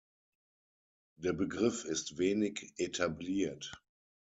Der Begriff ist wenig etabliert.